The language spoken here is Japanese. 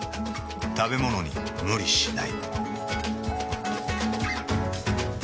食べものに無理しない。